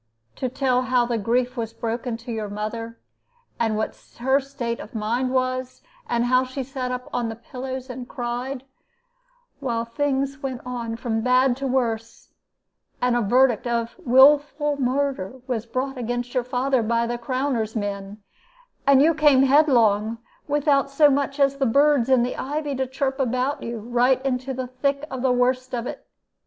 To tell how the grief was broken to your mother, and what her state of mind was, and how she sat up on the pillows and cried, while things went on from bad to worse, and a verdict of 'willful murder' was brought against your father by the crowner's men, and you come headlong, without so much as the birds in the ivy to chirp about you, right into the thick of the worst of it.